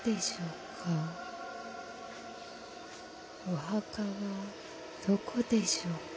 ・お墓はどこでしょうか。